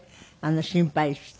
心配して。